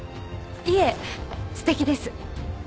いえすてきです。